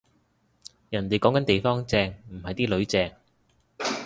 人哋講緊地方正，唔係啲囡正